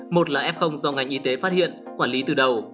một là f do ngành y tế phát hiện quản lý từ đầu